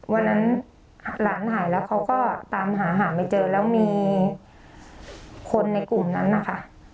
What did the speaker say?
วันนั้นหลานหายแล้วเขาก็ตามหาหาไม่เจอแล้วมีคนในกลุ่มนั้นนะคะ